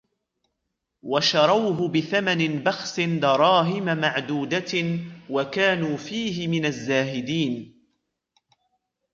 وَشَرَوْهُ بِثَمَنٍ بَخْسٍ دَرَاهِمَ مَعْدُودَةٍ وَكَانُوا فِيهِ مِنَ الزَّاهِدِينَ